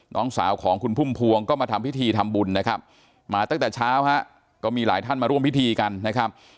น้องสาวของคุณพุ่มพวงก็มาทำพิธีทำบุญนะครับมาตั้งแต่เช้าฮะก็มีหลายท่านมาร่วมพิธีกันนะครับ